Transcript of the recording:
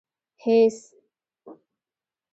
هېڅ.